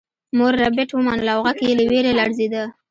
مور ربیټ ومنله او غږ یې له ویرې لړزیده